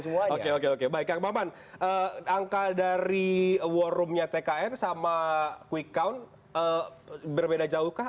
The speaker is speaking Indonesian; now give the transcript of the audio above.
semuanya oke oke baik kang maman angka dari war roomnya tkn sama quick count berbeda jauhkah